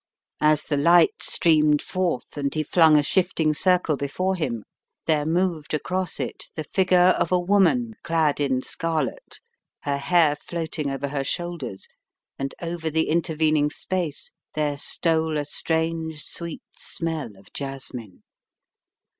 As the light streamed forth and he flung a shifting circle before him, there moved across it the figure of a woman, clad in scarlet, her hair floating over her shoulders and over the intervening space there stole a strange sweet smell of jasmine.